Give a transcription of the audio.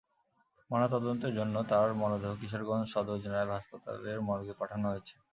ময়নাতদন্তের জন্য তাঁদের মরদেহ কিশোরগঞ্জ সদর জেনারেল হাসপাতালের মর্গে পাঠানো হয়েছে।